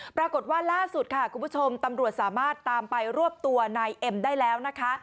ปรากฏว่าล่าสุดค่ะคุณผู้ชมตำรวจสามารถตามไปรวบตัวนายเอ็มได้แล้วนะคะ